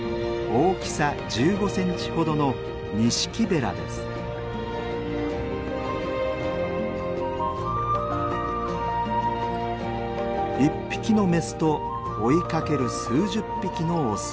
大きさ１５センチほどの１匹のメスと追いかける数十匹のオス。